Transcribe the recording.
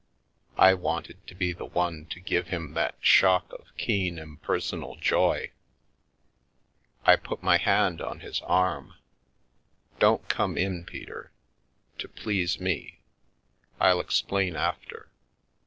I wanted to be the one to give him that shock of keen impersonal joy. I put my hand on his arm. " Don't come in, Peter. To please me ! I'll explain after."